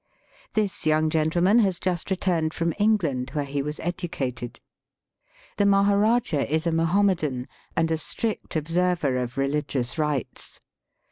This young gentleman has just returned from England, where he was educated* The Maharajah is a Mahomedan, and a strict observer of reUgious rites.